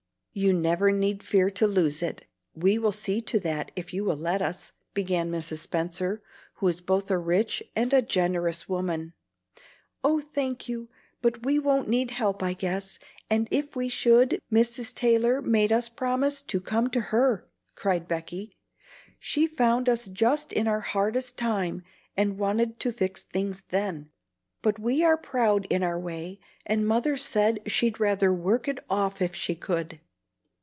"You never need fear to lose it; we will see to that if you will let us," began Mrs. Spenser, who was both a rich and a generous woman. "Oh, thank you! but we won't need help I guess; and if we should, Mrs. Taylor made us promise to come to her," cried Becky. "She found us just in our hardest time, and wanted to fix things then; but we are proud in our way, and Mother said she'd rather work it off if she could.